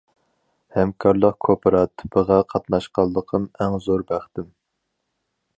ھەمكارلىق كوپىراتىپىغا قاتناشقانلىقىم ئەڭ زور بەختىم.